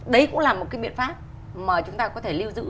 đấy cũng là một cái biện pháp mà chúng ta có thể lưu giữ